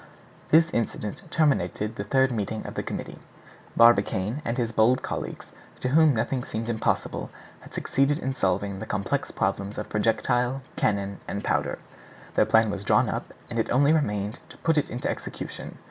This incident terminated the third meeting of the committee. Barbicane and his bold colleagues, to whom nothing seemed impossible, had succeeding in solving the complex problems of projectile, cannon, and powder. Their plan was drawn up, and it only remained to put it into execution.